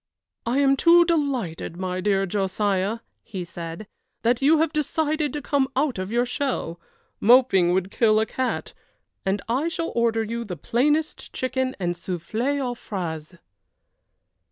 "I am too delighted, my dear Josiah," he said, "that you have decided to come out of your shell. Moping would kill a cat; and I shall order you the plainest chicken and soufflé aux fraises."